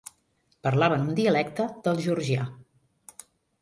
Parlaven un dialecte del georgià.